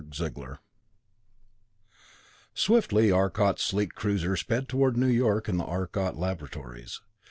III Swiftly Arcot's sleek cruiser sped toward New York and the Arcot Laboratories.